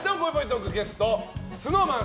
トークゲストはＳｎｏｗＭａｎ